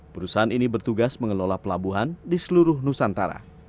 perusahaan ini bertugas mengelola pelabuhan di seluruh nusantara